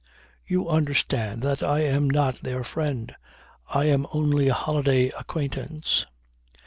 "You understand that I am not their friend. I am only a holiday acquaintance."